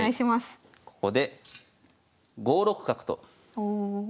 ここで５六角とおお。